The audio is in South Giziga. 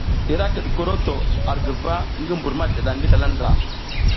I ra kiɗ koroto ar guva ngi mbur madiɗa ngi slala ndra.